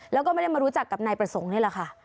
แล้วก็ไม่ได้มารู้จักกับนายประสงค์นี่แหละค่ะ